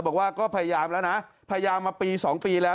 บอกว่าก็พยายามแล้วนะพยายามมาปี๒ปีแล้ว